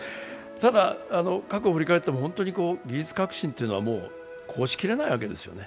ただ、過去を振り返っても、本当に技術革新というのはもう抗しきれないわけですよね。